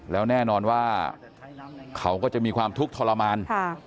แล้วแน่นอนว่าเขาก็จะมีความทุกข์ทรมาน